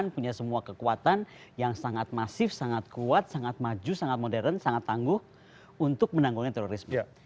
punya semua kekuatan yang sangat masif sangat kuat sangat maju sangat modern sangat tangguh untuk menanggulnya terorisme